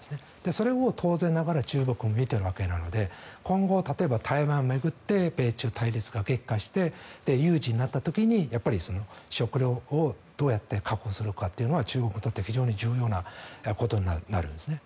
それを当然ながら中国も見ているわけなので今後、台湾を巡って米中対立が激化して有事になった時に食料をどうやって確保するのかというのは中国にとって非常に重要なことになるんですね。